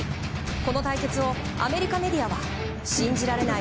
この対決をアメリカメディアは信じられない。